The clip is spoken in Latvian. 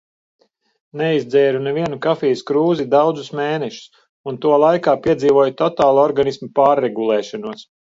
Neizdzēru nevienu kafijas krūzi daudzus mēnešus, un to laikā piedzīvoju totālu organisma pārregulēšanos.